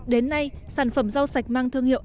đến nay sản phẩm rau sạch mang thương hiệu